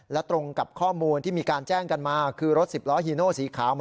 และตรงกับข้อมูลที่มีการแจ้งกันมาคือรถสิบล้อฮีโนสีขาว